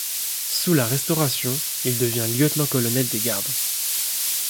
Sous la Restauration, il devient lieutenant-colonel des gardes.